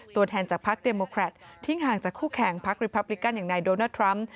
ตัวแทนจากพลักษณ์เดมโมครัตท์ทิ้งห่างจากคู่แข่งพลักษณ์ริพับลิกันอย่างในโดนัททรัมป์